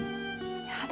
やだ